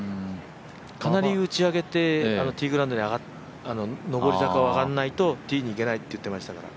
かなり打ち上げてティーグラウンドに上り坂を上がらないとティーにいけないと言っていましたから。